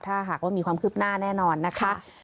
ถ้าหากว่ามีความคืบหน้าแน่นอนนะคะ